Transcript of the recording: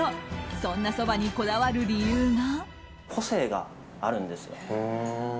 そんなそばにこだわる理由が。